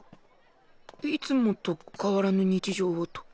いつもと変わらぬ日常をと。